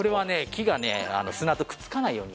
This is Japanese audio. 木がね砂とくっつかないように。